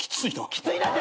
「きついな」って！